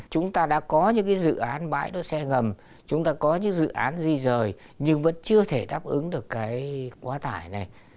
chúng ta đã có những dự án bãi đỗ xe ngầm chúng ta có những dự án di rời nhưng vẫn chưa thể đáp ứng được cái quá tải này